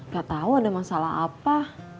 gak tahu ada masalah apa